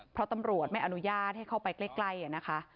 เพราะตำรวจไม่อนุญาตให้เข้าไปใกล้นะคะ